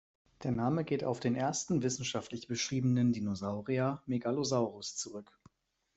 Der Name geht auf den ersten wissenschaftlich beschriebenen Dinosaurier "Megalosaurus" zurück.